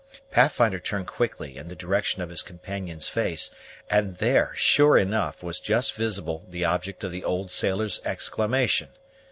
Pathfinder turned quickly in the direction of his companion's face; and there, sure enough, was just visible the object of the old sailor's exclamation.